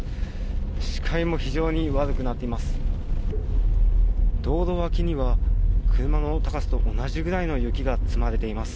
視界も非常に悪くなっています。